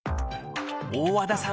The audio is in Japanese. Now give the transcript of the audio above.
大和田さん